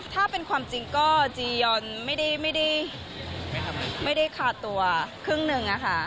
ถ้าเป็นความจริงก็จียอนไม่ได้คาตัวครึ่งหนึ่งอะค่ะ